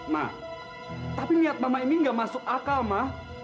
ma tapi niat mama ini gak masuk akal ma